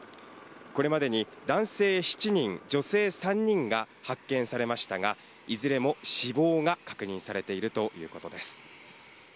これまでに男性７人、女性３人が発見されましたが、いずれも死亡が確認されているということです。